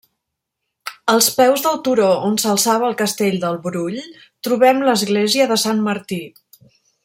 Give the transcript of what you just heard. Als peus del turó on s'alçava el castell del Brull, trobem l'església de Sant Martí.